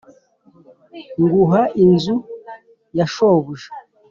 nguha inzu ya shobuja